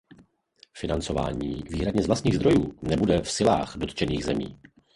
Financování výhradně z vlastních zdrojů nebude v silách dotčených zemí.